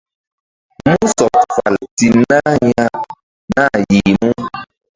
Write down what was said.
Mú sɔɓ fal ti nah ya nah yih mu.